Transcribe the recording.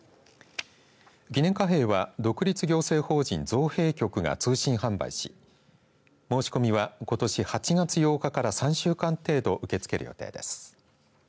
記念貨幣は独立行政法人造幣局が通信販売し申し込みはことし８月８日から３週間程度受け付ける予定です。